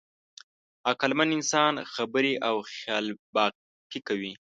عقلمن انسان خبرې او خیالبافي کوي.